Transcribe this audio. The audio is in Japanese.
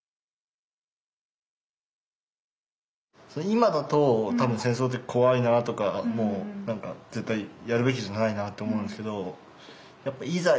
今だと多分戦争って怖いなとか絶対やるべきじゃないなって思うんですけどいざ